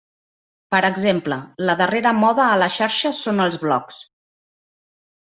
Per exemple: la darrera moda a la xarxa són els blogs.